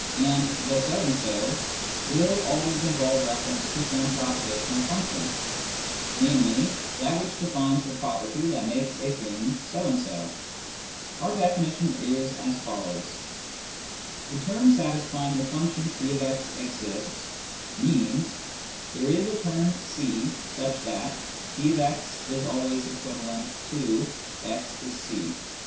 " And " the so and so " will 12 178 Introduction to Mathematical Philosophy always involve reference to some propositional function, namely, that which defines the property that makes a thing a so and so. Our definition is as follows :—" The term satisfying the function <j>x exists " means :" There is a term c such that <f>x is always equivalent to ' x is c.'